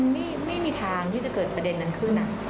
ไม่มีทางที่จะเกิดประเด็นนั้นขึ้น